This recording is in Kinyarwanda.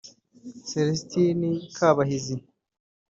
Celestin Kabahizi